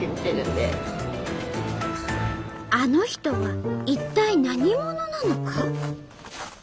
あの人は一体何者なのか？